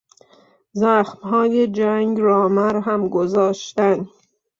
زخمهای جنگ را مرهم گذاشتن